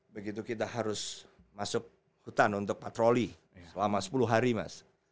begitu kita harus masuk hutan untuk patroli selama sepuluh hari mas